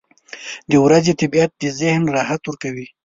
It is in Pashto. • د ورځې طبیعت د ذهن راحت ورکوي.